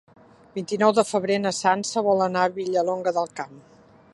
El vint-i-nou de febrer na Sança vol anar a Vilallonga del Camp.